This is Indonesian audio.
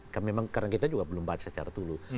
karena kita juga belum baca secara dulu